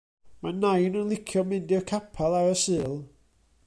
Mae nain yn licio mynd i'r capal ar y Sul.